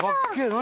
何？